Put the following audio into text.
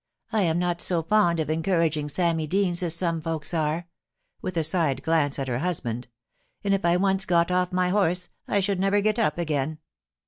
* I am not so fond of encouraging Sammy Deans as some folks are '— with a side glance at her husband —* and if I once got off my horse, I should never get up again.